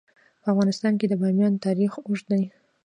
په افغانستان کې د بامیان تاریخ اوږد دی.